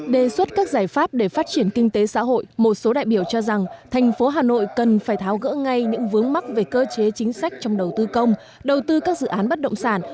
đề xuất các giải pháp để phát triển kinh tế xã hội một số đại biểu cho rằng thành phố hà nội cần phải tháo gỡ ngay những vướng mắc về cơ chế chính sách trong đầu tư công đầu tư các dự án bất động sản